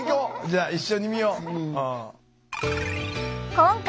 じゃあ一緒に見よう。